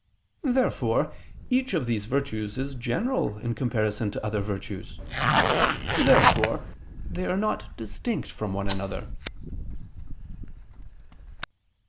Therefore each of these virtues is general in comparison to other virtues. Therefore they are not distinct from one another.